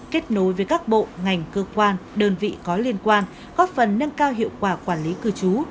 kết nối với các bộ ngành cơ quan đơn vị có liên quan góp phần nâng cao hiệu quả quản lý cư trú